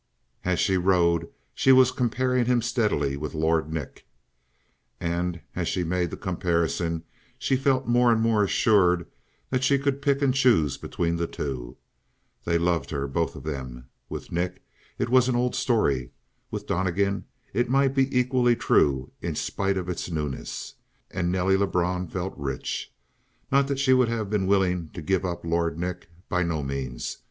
As she rode she was comparing him steadily with Lord Nick. And as she made the comparisons she felt more and more assured that she could pick and choose between the two. They loved her, both of them. With Nick it was an old story; with Donnegan it might be equally true in spite of its newness. And Nelly Lebrun felt rich. Not that she would have been willing to give up Lord Nick. By no means.